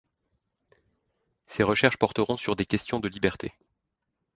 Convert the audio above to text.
Ses recherches porteront sur des questions de liberté.